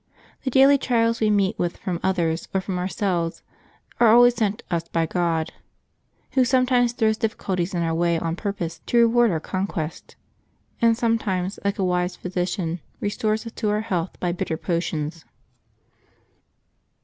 The daily trials we meet with from others or from ourselves are always sent us by God, Who sometimes throws difficulties in our way on purpose to reward our conquest; and sometimes, like a wise physician, restores us to our health by bitter potions.